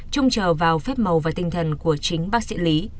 trung trở vào phép màu và tinh thần của chính bác sĩ lý